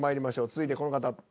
続いてこの方。